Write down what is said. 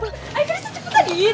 ayah tadi saya cukup tadiin